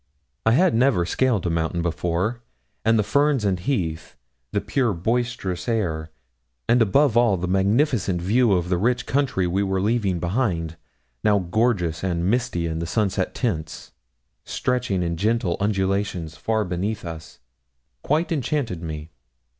I had never scaled a mountain before, and the ferns and heath, the pure boisterous air, and above all the magnificent view of the rich country we were leaving behind, now gorgeous and misty in sunset tints, stretching in gentle undulations far beneath us, quite enchanted me.